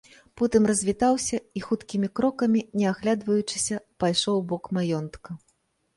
Потым развітаўся і хуткімі крокамі, не аглядваючыся, пайшоў у бок маёнтка.